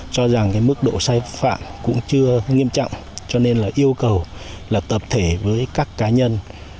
cho rằng mức độ sai phạm cũng chưa nghiêm trọng cho nên yêu cầu tập thể với các cá nhân